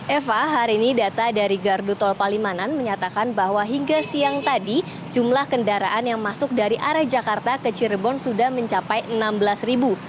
eva hari ini data dari gardu tol palimanan menyatakan bahwa hingga siang tadi jumlah kendaraan yang masuk dari arah jakarta ke cirebon sudah mencapai enam belas ribu